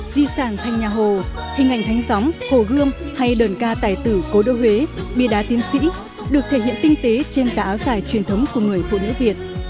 di sản thanh nhà hồ hình ảnh thanh gióng hồ gươm hay đờn ca tài tử cố đô huế bia đá tiên sĩ được thể hiện tinh tế trên tả áo dài truyền thống của người phụ nữ việt